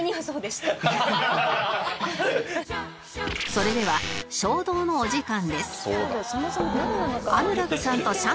それでは衝動のお時間です